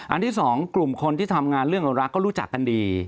ที่สองกลุ่มคนที่ทำงานเรื่องเรารักก็รู้จักกันดี